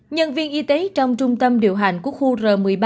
nhân viên y tế trong trung tâm điều hành của khu r một mươi ba